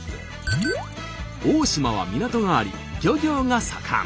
大島は港があり漁業が盛ん。